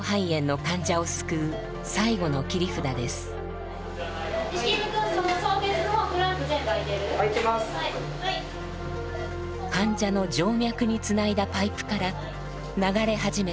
患者の静脈につないだパイプから流れ始めた血液。